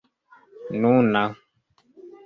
nuna